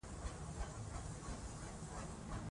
له فضا کتل د ځمکې ښکلي منظره ښيي.